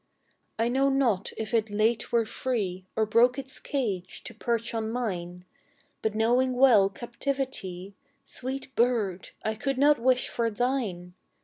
I know not if it late were free, Or broke its cage to perch on mine, But knowing well captivity, Sweet bird! I could not wish for thine!